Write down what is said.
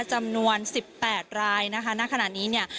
จำนวน๑๘รายนะคะณขณะนี้เนี่ย